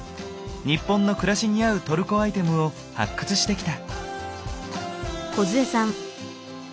日本の暮らしに合うトルコアイテムを発掘してきた。